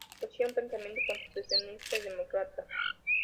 Poseía un pensamiento constitucionalista y demócrata.